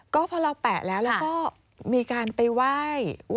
ก็พอเราแปะแล้วแล้วก็มีการไปไหว้